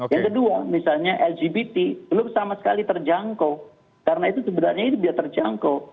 yang kedua misalnya lgbt belum sama sekali terjangkau karena itu sebenarnya itu bisa terjangkau